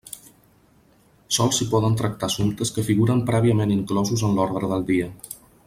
Sols s'hi poden tractar assumptes que figuren prèviament inclosos en l'ordre del dia.